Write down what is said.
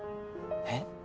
えっ？